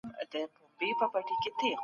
هغه نظام چي په زور راشي دوام نه کوي.